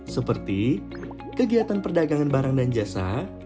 seperti kegiatan perdagangan barang dan jasa